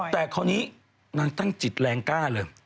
แต่คราวนี้นางตั้งจิตแรงกล้าเลย